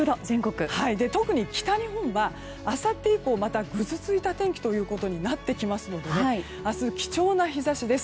特に北日本はあさって以降また、ぐずついた天気となってきますので明日、貴重な日差しです。